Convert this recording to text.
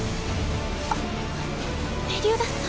あっメリオダス様。